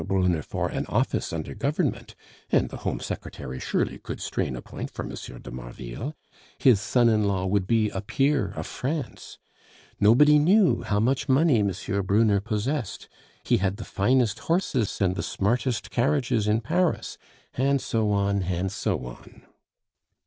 Brunner for an office under Government (and the Home Secretary surely could strain a point for M. de Marville), his son in law would be a peer of France. Nobody knew how much money M. Brunner possessed; "he had the finest horses and the smartest carriages in Paris!" and so on and so on.